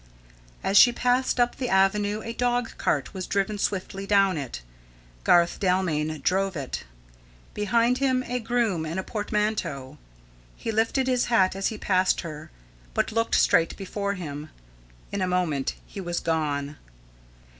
As she passed up the avenue a dog cart was driven swiftly down it. Garth Dalmain drove it; behind him a groom and a portmanteau. He lifted his hat as he passed her, but looked straight before him. In a moment he was gone.